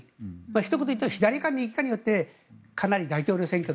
ひと言で言うと左か右かによってかなり大統領選挙の。